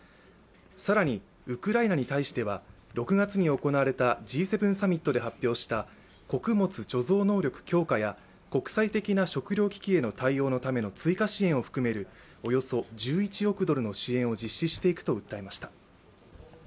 更に、ウクライナに対しては６月に行われたＧ７サミットで発表した穀物貯蔵能力強化や国際的な食糧危機への対応のための追加支援を含めるおよそ１１億ドルの支援を実施していくと訴えました。